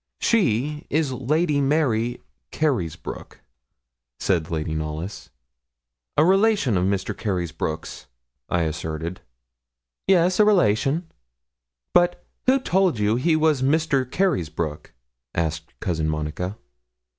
She is Lady Mary Carysbroke,' said Lady Knollys. 'A relation of Mr. Carysbroke's,' I asserted. 'Yes, a relation; but who told you he was Mr. Carysbroke?' asked Cousin Monica.